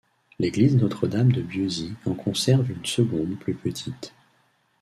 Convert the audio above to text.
L’église Notre-Dame de Bieuzy en conserve une seconde plus petite.